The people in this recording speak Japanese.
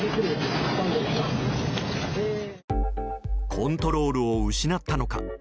コントロールを失ったのか